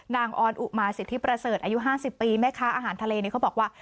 ออนอุมาสิทธิประเสริฐอายุ๕๐ปีแม่ค้าอาหารทะเลนี่เขาบอกว่า